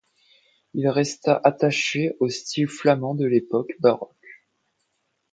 Il resta attaché au style flamand de l'époque baroque.